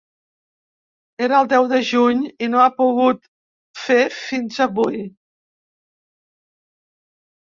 Era el deu de juny i no ha pogut fer fins avui.